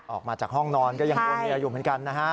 ออกมาจากห้องนอนก็ยังกลัวเมียอยู่เหมือนกันนะฮะ